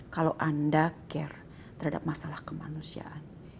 kalau anda care terhadap masalah kemanusiaan